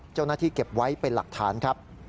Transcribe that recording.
เจ้าหน้าที่เก็บไว้เป็นหลักฐานครับ